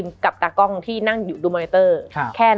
มันทำให้ชีวิตผู้มันไปไม่รอด